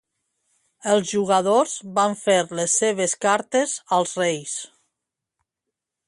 Els jugadors van fer les seves cartes als reis.